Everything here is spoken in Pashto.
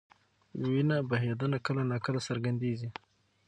وینه بهېدنه کله ناکله څرګندېږي.